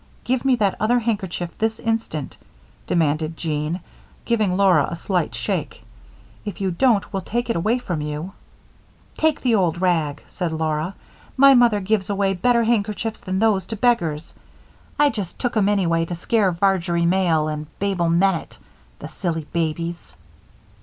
"Give me that other handkerchief this instant," demanded Jean, giving Laura a slight shake. "If you don't, we'll take it away from you." "Take the old rag," said Laura. "My mother gives away better handkerchiefs than these to beggars. I just took 'em anyway to scare Varjory Male and Babel Mennett, the silly babies."